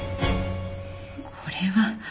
これは。